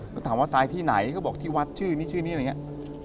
ก็ถามว่าตายที่ไหนเขาบอกที่วัดชื่อนี้ชื่อนี้อะไรอย่างนี้